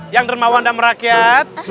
yang dermawan dan merakyat